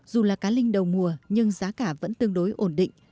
dù là cá linh đầu mùa nhưng giá cả vẫn tương đối ổn định